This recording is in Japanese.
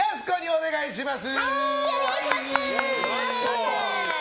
お願いします！